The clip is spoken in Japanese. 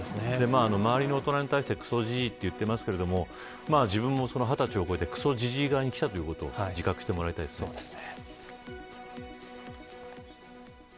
周りの大人に対してくそじじいと言ってますけど自分も２０歳を超えてクソジジイ側に来たということを自覚してもらいたいですね。